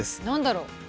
何だろう？